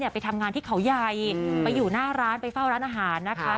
ไปทำงานที่เขาใหญ่ไปอยู่หน้าร้านไปเฝ้าร้านอาหารนะคะ